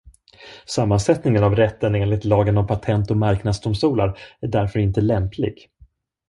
Sammansättningen av rätten enligt lagen om patent- och marknadsdomstolar är därför inte lämplig.